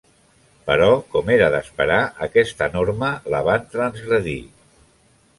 Però, com era d'esperar, aquesta norma la van transgredir.